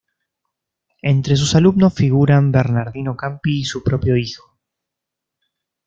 Entre sus alumnos figuran Bernardino Campi y su propio hijo.